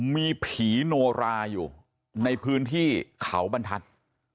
มีผีโนราอยู่ในพื้นที่เขาบรรทัศน์